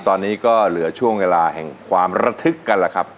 ตอนนี้ก็เหลือช่วงแห่งราธึกกันละครับ